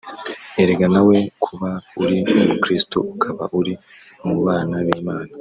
Erega nawe kuba uri umukiristu ukaba uri mu bana b’Imana